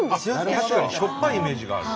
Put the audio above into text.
確かにしょっぱいイメージがある。